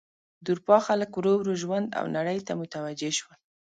د اروپا خلک ورو ورو ژوند او نړۍ ته متوجه شول.